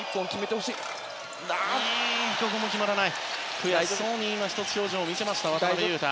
悔しそうに表情を見せました渡邊雄太。